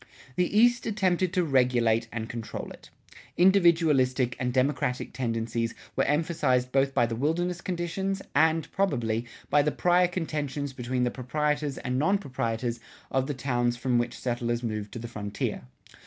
The East attempted to regulate and control it. Individualistic and democratic tendencies were emphasized both by the wilderness conditions and, probably, by the prior contentions between the proprietors and non proprietors of the towns from which settlers moved to the frontier.